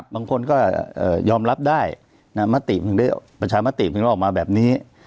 บางคนก็ยอมรับได้มติประชามติมันก็ออกมาแบบนี้